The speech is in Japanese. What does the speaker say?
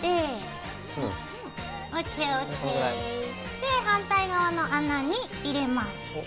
で反対側の穴に入れます。